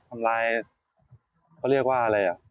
ทำร้ายเขาเรียกว่าอะไรอ่ะ